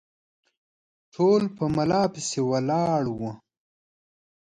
ټول په ملا پسې ولاړ وه